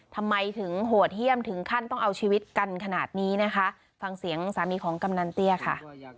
ทำไมถึงโหดเยี่ยมถึงขั้นต้องเอาชีวิตกันขนาดนี้นะคะฟังเสียงสามีของกำนันเตี้ยค่ะ